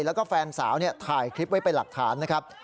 แล้วก็แฟนสาวถ่ายคลิปไว้เป็นหลักฐานนะครับ